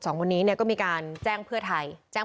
ทางคุณชัยธวัดก็บอกว่าการยื่นเรื่องแก้ไขมาตรวจสองเจน